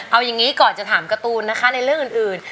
เอาอย่างนี้ก่อนจะถามการ์ตูนนะคะในเรื่องอื่น